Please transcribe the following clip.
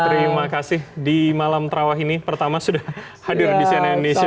terima kasih di malam terawah ini pertama sudah hadir di cnn indonesia